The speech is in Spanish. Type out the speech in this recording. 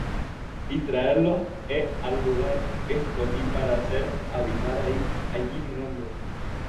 y traerlos he al lugar que escogí para hacer habitar allí mi nombre.